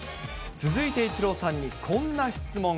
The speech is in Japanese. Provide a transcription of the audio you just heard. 続いてイチローさんにこんな質問が。